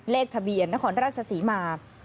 เลขทะเบียนนครราชศรีมา